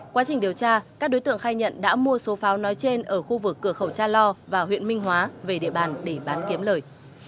quá trình điều tra các đối tượng khai nhận đã mua số pháo nói trên ở khu vực cửa khẩu cha lo và huyện minh hóa về địa bàn để bán kiếm lời